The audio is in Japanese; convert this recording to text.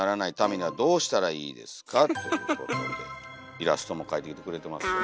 イラストも描いてきてくれてますよ。